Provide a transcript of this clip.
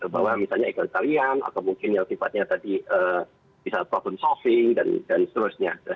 bahwa misalnya ekonomi kalian atau mungkin yang tiba tiba tadi bisa problem solving dan seterusnya